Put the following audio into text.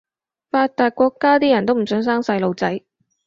發達國家啲人都唔想生細路仔